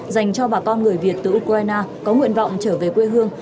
dành cho bà con người việt từ ukraine có nguyện vọng trở về quê hương